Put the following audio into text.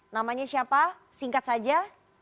namanya siapa singkat saja